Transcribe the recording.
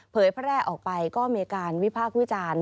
เผยพระแร่ออกไปก็มีการวิภาควิจารณ์